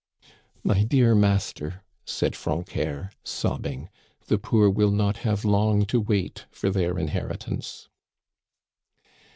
"My dear master," said Francœur, sobbing, "the poor will not have long to wait for their inheritance."